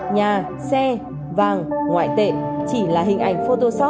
nhà xe vàng ngoại tệ chỉ là hình ảnh photosof